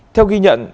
theo ghi nhận